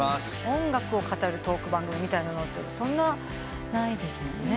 音楽を語るトーク番組みたいなのってそんなないですもんね？